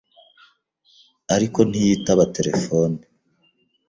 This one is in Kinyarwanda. ariko ntiyitaba telefone.